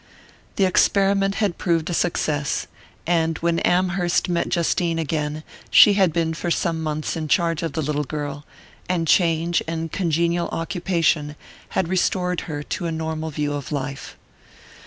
The experiment had proved a success, and when Amherst met Justine again she had been for some months in charge of the little girl, and change and congenial occupation had restored her to a normal view of life.